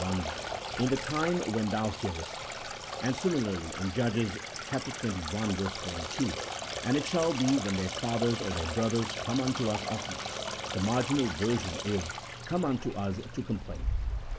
24, runs "in the time when thou nearest," and similarly in Judges xxi. 22, "And it shall be when their fathers or their brothers come unto us often," the marginal version is " come unto us to complain."